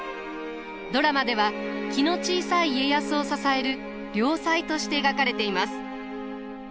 ドラマでは気の小さい家康を支える良妻として描かれています。